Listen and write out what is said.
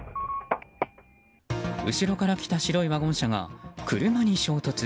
後ろから来た白いワゴン車が車に衝突。